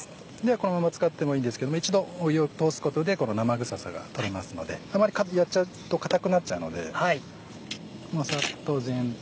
このまま使ってもいいんですけど一度湯を通すことで生臭さが取れますのであまりやっちゃうと硬くなっちゃうのでまぁサッと全体。